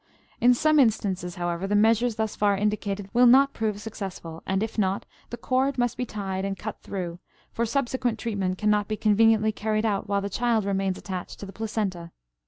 In some instances, however, the measures thus far indicated will not prove successful, and, if not, the cord must be tied and cut through, for subsequent treatment cannot be conveniently carried out while the child remains attached to the placenta.